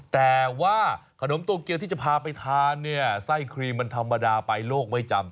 แต่ว่าขนมโตเกียวที่จะพาไปทานเนี่ยไส้ครีมมันธรรมดาไปโลกไม่จำ